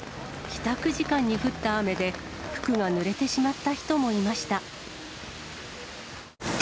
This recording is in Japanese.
帰宅時間に降った雨で、服がぬれてしまった人もいました。